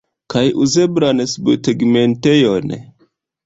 Kaj uzeblan subtegmentejon.